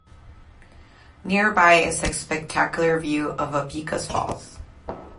Nearby is a spectacular view of 'Opaeka'a Falls.